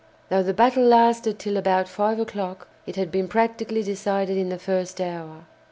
Though the battle lasted till about five o'clock, it had been practically decided in the first hour.